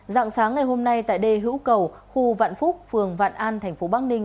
dạng sáng ngày hôm nay tại đề hữu cầu khu vạn phúc phường vạn an thành phố bắc ninh